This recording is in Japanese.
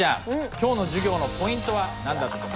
今日の授業のポイントは何だったと思いますか？